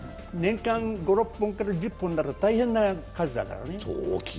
年間５６本から１０本なら大変な数だからね。